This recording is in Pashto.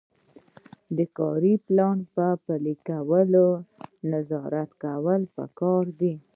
د کاري پلان په پلي کولو نظارت کول پکار دي.